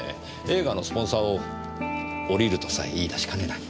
映画のスポンサーを降りるとさえ言い出しかねない。